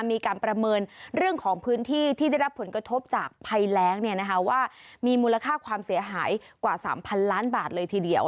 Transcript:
มีการประเมินเรื่องของพื้นที่ที่ได้รับผลกระทบจากภัยแรงว่ามีมูลค่าความเสียหายกว่า๓๐๐ล้านบาทเลยทีเดียว